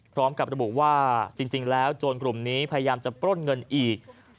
พร้อมกับระบุว่าจริงแล้วโจรกลุ่มนี้พยายามจะปล้นเงินอีก